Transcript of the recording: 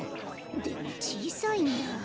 でもちいさいなあ。